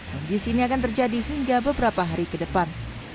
kondisi ini akan terjadi hingga beberapa hari ke depan